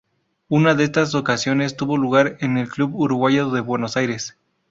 Una de estas ocasiones tuvo lugar en el Club uruguayo de Buenos Aires.